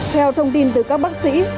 theo thông tin từ các bác sĩ